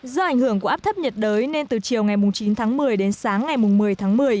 do ảnh hưởng của áp thấp nhiệt đới nên từ chiều ngày chín tháng một mươi đến sáng ngày một mươi tháng một mươi